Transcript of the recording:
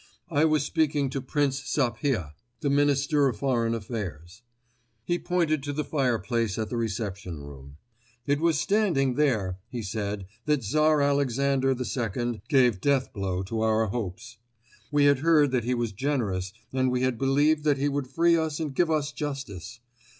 I was speaking to Prince Sapieha, the Minister of Foreign Affairs. He pointed to the fireplace of the Reception Room. "It was standing there," he said, "that Tsar Alexander II gave the death blow to our hopes. We had heard that he was generous and we had believed that he would free us and give us justice.